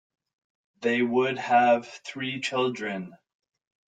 They would have three children.